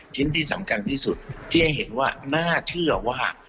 ชิ้นที่สำคัญที่สุดที่ให้เห็นว่าน่าเชื่อว่า